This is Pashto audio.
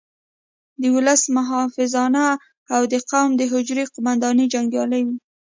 د ولس محافظان او د قوم د حجرې قوماندې جنګیالي وو.